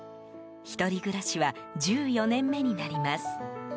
１人暮らしは１４年目になります。